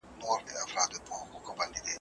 يوسف عليه السلام به ښه تازه خوراکونه راسره وکړي.